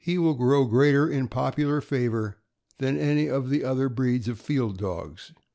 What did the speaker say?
will grow greater in popular favor than any of the other breeds of field dogs.